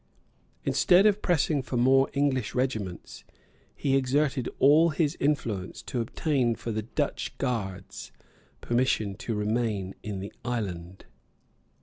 Instead of pressing for more English regiments, he exerted all his influence to obtain for the Dutch guards permission to remain in the island.